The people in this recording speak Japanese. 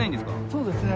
そうですね。